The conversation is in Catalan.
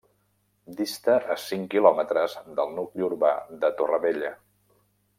Dista a cinc quilòmetres del nucli urbà de Torrevella.